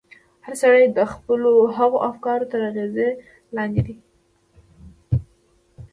هر سړی د خپلو هغو افکارو تر اغېز لاندې دی.